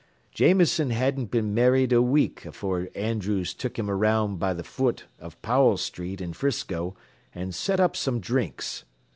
"Jameson hadn't been married a week afore Andrews took him around b' th' foot av Powell Street in 'Frisco an' set up some drinks.